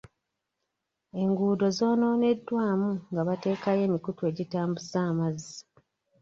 Enguudo zoonooneddwa mu nga bateekayo emikutu egitambuza amazzi.